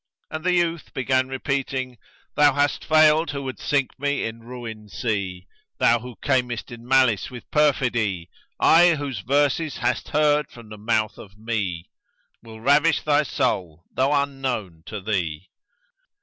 And the youth began repeating, "Thou hast failed who would sink me in ruin sea, * Thou who camest in malice with perfidy: I, whose verses hast heard from the mouth of me, * Will ravish thy soul though unknown to thee."